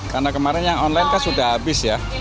karena kemarin yang online sudah habis ya